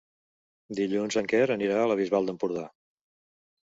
Dilluns en Quer anirà a la Bisbal d'Empordà.